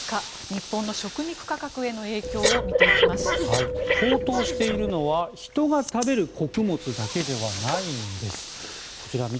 日本の食肉価格への影響を高騰しているのは人が食べる穀物だけではないんです。